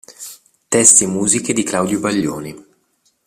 Testi e musiche di Claudio Baglioni.